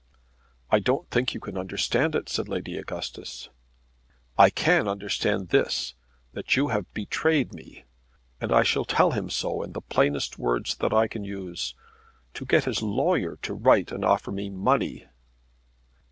"I don't think you can understand it," said Lady Augustus. "I can understand this, that you have betrayed me; and that I shall tell him so in the plainest words that I can use. To get his lawyer to write and offer me money!"